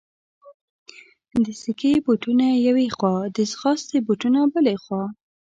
د سکې بوټونه یوې خوا، د ځغاستې بوټونه بلې خوا.